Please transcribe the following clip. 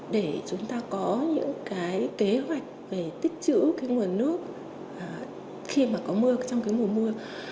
để chúng ta có những cái kế hoạch về tích chữ cái nguồn nước khi mà có mưa trong cái mùa mưa